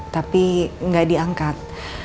tapi gak diangkat